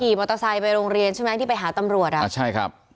มอเตอร์ไซค์ไปโรงเรียนใช่ไหมที่ไปหาตำรวจอ่ะอ่าใช่ครับ